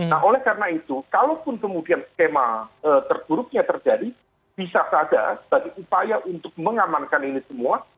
nah oleh karena itu kalaupun kemudian skema terburuknya terjadi bisa saja sebagai upaya untuk mengamankan ini semua